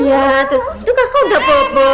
iya tuh kakak udah bobo